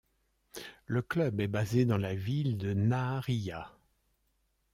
Le club est basé dans la ville de Nahariya.